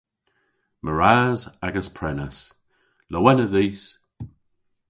Meur ras agas prenas. Lowena dhis!